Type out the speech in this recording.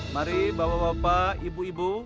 mari bapak bapak ibu ibu